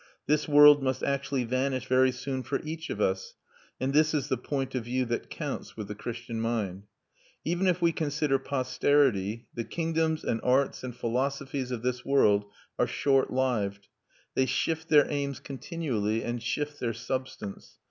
This world must actually vanish very soon for each of us; and this is the point of view that counts with the Christian mind. Even if we consider posterity, the kingdoms and arts and philosophies of this world are short lived; they shift their aims continually and shift their substance.